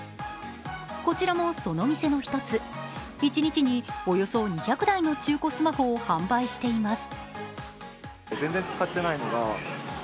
こちらもその店の１つ、１日におよそ２００台の中古スマホを販売しています。